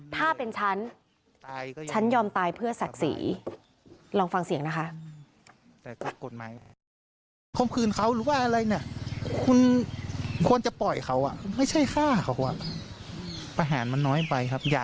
ถ้าเป็นฉันฉันยอมตายเพื่อศักดิ์ศรีลองฟังเสียงนะคะ